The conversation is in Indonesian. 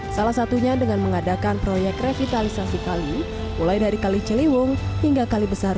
salah satunya dengan mengadakan proyek revitalisasi kali mulai dari kali ciliwung hingga kali besar